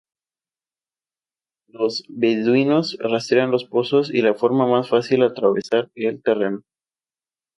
Los beduinos rastrean los pozos y la forma más fácil atravesar el terreno.